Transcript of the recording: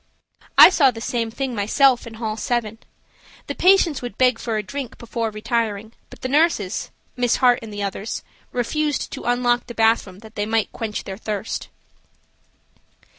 I saw the same thing myself in hall 7. The patients would beg for a drink before retiring, but the nurses–Miss Hart and the others–refused to unlock the bathroom that they might quench their thirst.